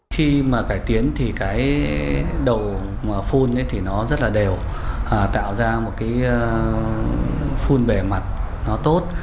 khi mà cải tiến thì cái đầu phun thì nó rất là đều tạo ra một cái phun bề mặt nó tốt